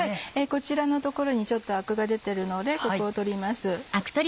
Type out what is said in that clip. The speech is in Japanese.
こちらの所にちょっとアクが出てるのでここを取ります。